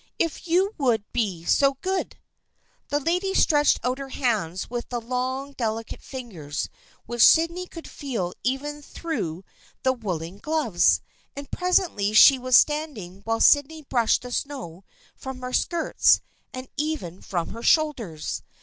If you w T ould be so good !" The lady stretched out her hands with the long delicate fingers which Sydney could feel even through the woolen gloves, and presently she was standing while Sydney brushed the snow from her skirts and even from her shoulders.